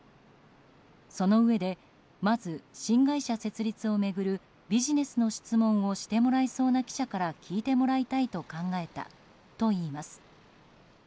そのうえでまず新会社設立を巡るビジネスの質問をしてもらえそうな記者から聞いてもらいたいと考えたといいます。